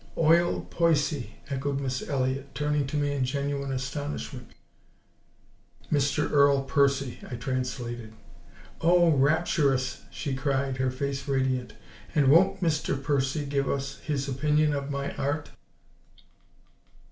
"Oil Poicy," echoed Miss Elliott, turning to me in genuine astonishment. "Mr. Earl Percy," I translated. "Oh, RAPTUROUS!" she cried, her face radiant. "And WON'T Mr. Percy give us his opinion of my Art?"